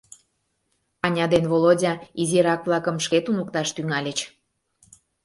Аня ден Володя изирак-влакым шке туныкташ тӱҥальыч.